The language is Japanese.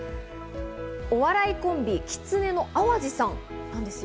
お笑いコンビ・きつねのあわじさんなんですよ。